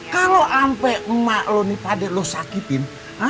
kalau emak lu nih pak gede lu sakitin